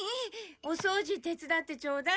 お掃除手伝ってちょうだい。